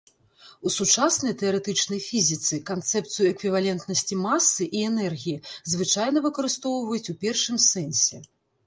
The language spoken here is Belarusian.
У сучаснай тэарэтычнай фізіцы канцэпцыю эквівалентнасці масы і энергіі звычайна выкарыстоўваюць у першым сэнсе.